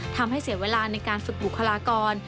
ทำให้เสียเวลาในการฝึกบุคลากร